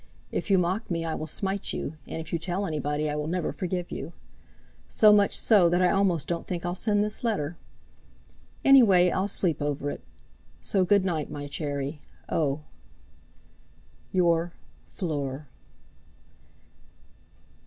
If you mock me I will smite you, and if you tell anybody I will never forgive you. So much so, that I almost don't think I'll send this letter. Anyway, I'll sleep over it. So good night, my Cherry—oh! "Your, "FLEUR."